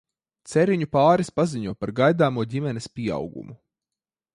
Ceriņu pāris paziņo par gaidāmo ģimenes pieaugumu.